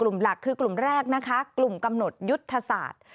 กลุ่มหลักคือกลุ่มแรกนะคะกลุ่มกำหนดยุทธศาสตร์